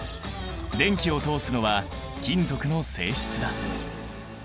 電気を通すのは金属の性質だ。